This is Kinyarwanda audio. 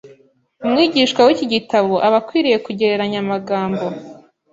umwigishwa w’iki gitabo aba akwiriye kugereranya amagambo